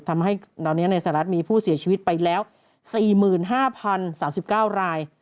ทำให้ตอนนี้ในสหรัฐมีผู้เสียชีวิตไปแล้ว๔๕๐๓๙ราย